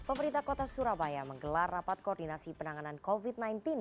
pemerintah kota surabaya menggelar rapat koordinasi penanganan covid sembilan belas